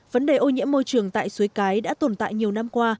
vấn đề ô nhiễm môi trường tại suối cái đã tồn tại nhiều năm qua